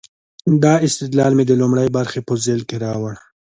دا استدلال مې د لومړۍ برخې په ذیل کې راوړ.